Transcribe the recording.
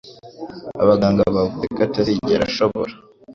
Abaganga bavuze ko atazigera ashobora